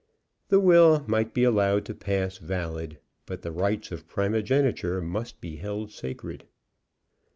The will might be allowed to pass valid, but the rights of primogeniture must be held sacred.